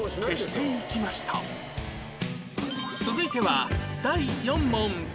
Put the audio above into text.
続いては第４問